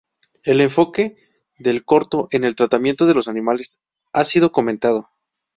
El enfoque del corto en el tratamiento de los animales ha sido comentado.